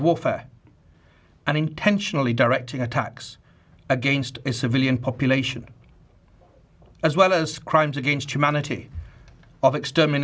dan penyakit tersebut diperintahkan untuk melakukan hakikat kemanusiaan lain